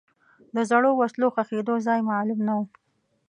د زړو وسلو ښخېدو ځای معلوم نه و.